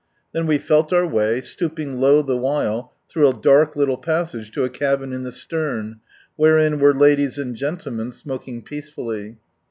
Then we felt our way, stooping low the while, through a dark little passage, to a cabin in the stern, wherein were ladies and gentlemen smoking peacefully.